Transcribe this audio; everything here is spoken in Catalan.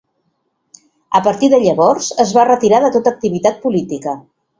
A partir de llavors, es va retirar de tota activitat política.